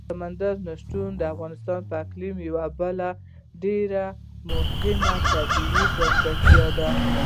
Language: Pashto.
سمندر نه شتون د افغانستان د اقلیم یوه بله ډېره مهمه طبیعي ځانګړتیا ده.